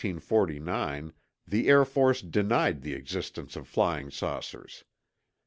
On December 27, 1949, the Air Force denied the existence of flying saucers.